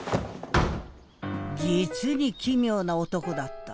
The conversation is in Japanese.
実に奇妙な男だった。